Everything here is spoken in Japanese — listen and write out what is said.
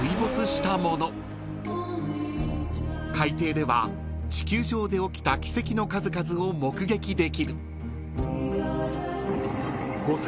［海底では地球上で起きた軌跡の数々を目撃できる］